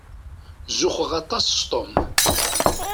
Zuxxeɣ aṭas s Tom.